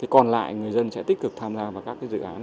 còn lại người dân sẽ tích cực tham gia vào các dự án